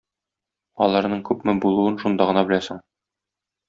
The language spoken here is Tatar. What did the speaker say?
Аларның күпме булуын шунда гына беләсең.